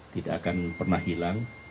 tidak akan pernah hilang